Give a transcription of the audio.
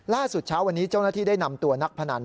เช้าวันนี้เจ้าหน้าที่ได้นำตัวนักพนัน